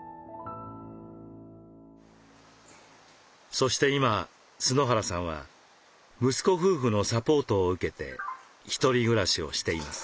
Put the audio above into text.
そして今春原さんは息子夫婦のサポートを受けて一人暮らしをしています。